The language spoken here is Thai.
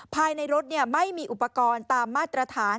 ภายในรถไม่มีอุปกรณ์ตามมาตรฐาน